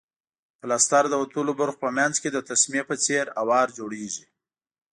پلستر د وتلو برخو په منځ کې د تسمې په څېر اوار جوړیږي.